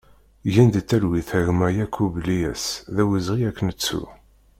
Gen di talwit a gma Yakub Lyas, d awezɣi ad k-nettu!